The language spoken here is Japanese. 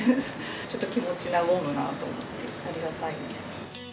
ちょっと気持ち和むなと思って、ありがたいです。